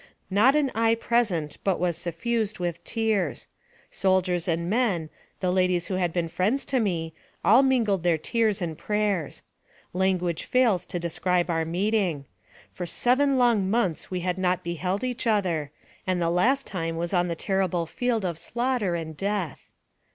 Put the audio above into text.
Not an eye present but was suffused with tears. Soldiers and men, the ladies who had been friends to me, all mingled their tears and prayers. Language fails to describe our meeting. For seven long months AMONG THE SIOUX INDIANS. 217 we had not beheld each other, and the last time was on the terrible field of slaughter and death.